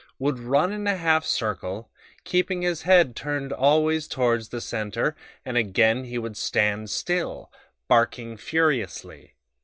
would run in a half circle, keeping his head turned always toward the centre and again he would stand still, barking furiously.